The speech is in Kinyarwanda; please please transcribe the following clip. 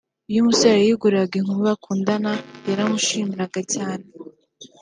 Iyo umusore yayiguriraga inkumi bakundana yaramushimiraga cyane